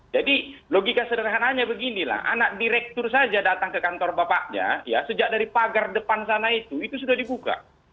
logika sederhananya beginilah anak direktur saja datang ke kantor bapaknya ya sejak dari pagar depan sana itu itu sudah dibuka